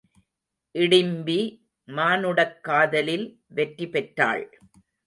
இடிம்பி மானுடக்காதலில் வெற்றி பெற்றாள்.